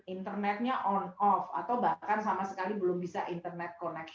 internetnya on off atau bahkan sama sekali belum bisa internet connect